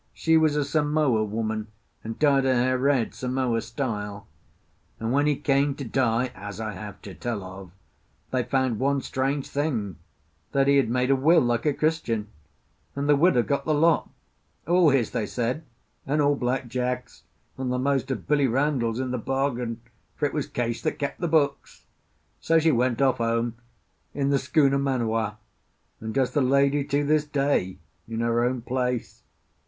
She was a Samoa woman, and dyed her hair red, Samoa style; and when he came to die (as I have to tell of) they found one strange thing—that he had made a will, like a Christian, and the widow got the lot: all his, they said, and all Black Jack's, and the most of Billy Randall's in the bargain, for it was Case that kept the books. So she went off home in the schooner Manu'a, and does the lady to this day in her own place.